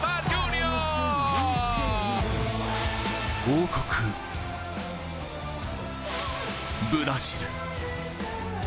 王国、ブラジル。